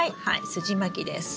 すじまきです。